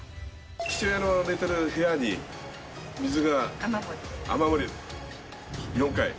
父親の寝てる部屋に水が、雨漏り、４回。